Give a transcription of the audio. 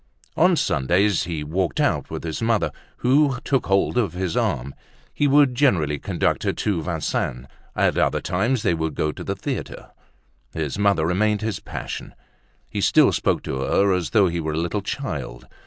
On Sundays he walked out with his mother, who took hold of his arm. He would generally conduct her to Vincennes; at other times they would go to the theatre. His mother remained his passion. He still spoke to her as though he were a little child.